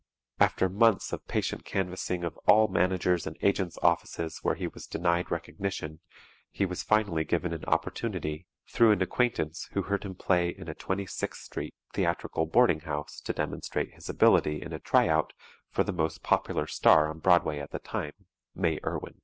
After months of patient canvassing of all managers' and agents' offices where he was denied recognition, he was finally given an opportunity, through an acquaintance who heard him play in a 26th St. theatrical boarding house, to demonstrate his ability in a tryout for the most popular star on Broadway at the time, May Irwin.